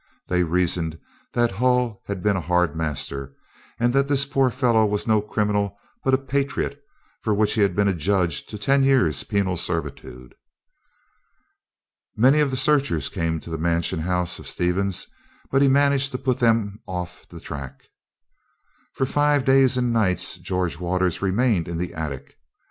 They reasoned that Hull had been a hard master, and that this poor fellow was no criminal, but a patriot, for which he had been adjudged to ten years' penal servitude. Many of the searchers came to the mansion house of Stevens; but he managed to put them off the track. For five days and nights George Waters remained in the attic.